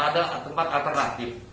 ada tempat alternatif